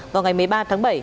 vào ngày một mươi ba tháng bảy